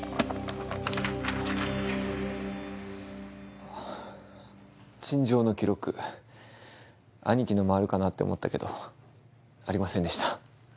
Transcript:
はぁ陳情の記録兄貴のもあるかなって思ったけどありませんでした。